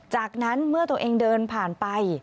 จากนั้นเมื่อตัวเองเดินผ่านไป